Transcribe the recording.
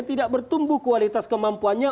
tidak bertumbuh kualitas kemampuannya